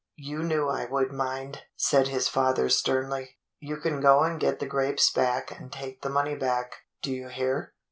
"You knew I would mind," said his father sternly. "You can go and get the grapes back and take the money back. Do you hear.